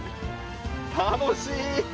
楽しい！